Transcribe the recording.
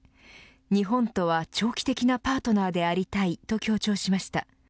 日本とは長期的なパートナーでありたいと強調しました。